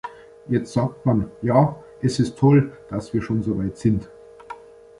Jetzt sagt man, ja, es ist toll, dass wir schon so weit sind.